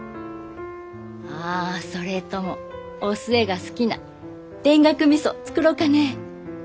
あそれともお寿恵が好きな田楽みそ作ろうかねえ。